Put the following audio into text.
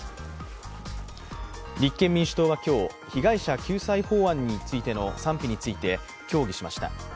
立憲民主党は今日、被害者救済法案についての賛否について協議しました。